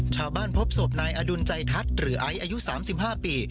ชาวบ้านพบศพนายอดุลใจทัศน์หรือไอ้อายุ๓๕ปี